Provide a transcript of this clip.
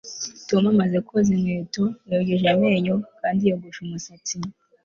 Tom amaze koza inkweto yogeje amenyo kandi yogosha umusatsi